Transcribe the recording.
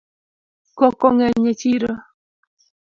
Koko ng'eny e chiro